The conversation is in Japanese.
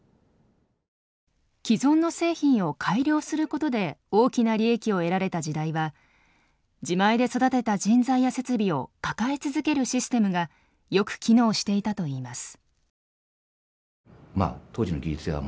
既存の製品を改良することで大きな利益を得られた時代は自前で育てた人材や設備を抱え続けるシステムがよく機能していたといいます。